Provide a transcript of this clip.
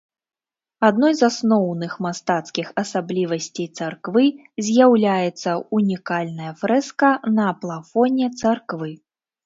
Адной з асноўных мастацкіх асаблівасцей царквы з'яўляецца ўнікальная фрэска на плафоне царквы.